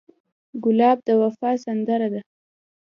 ګلاب د وفا سندره ده.